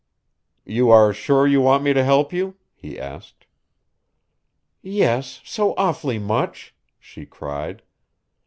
"You are sure you want me to help you?" he asked. "Yes, so awfully much!" she cried.